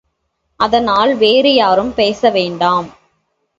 அதனால் வேறு யாரும் பேசவேண்டாம்.